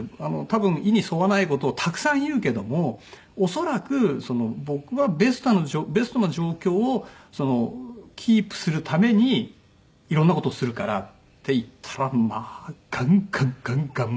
「多分意に沿わない事をたくさん言うけども恐らく僕はベストな状況をキープするためにいろんな事をするから」って言ったらまあガンガンガンガン